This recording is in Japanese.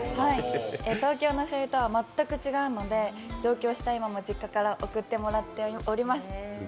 東京の醤油とは全く違うので上京した今も実家から送ってもらっております。